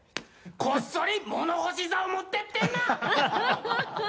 こっそり物干し竿持ってってんな！